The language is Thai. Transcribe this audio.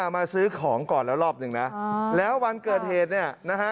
มาซื้อของก่อนแล้วรอบหนึ่งนะแล้ววันเกิดเหตุเนี่ยนะฮะ